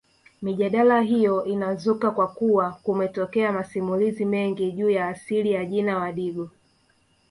Mijadala hiyo inazuka kwa kuwa kumetokea masimulizi mengi juu ya asili ya jina Wadigo